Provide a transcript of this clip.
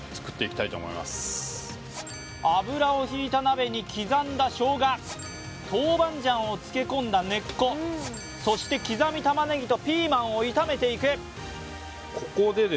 油をひいた鍋に刻んだしょうが、トウバンジャンを漬け込んだ根っこ、そしてきざみたまねぎとピーマンを炒めていく。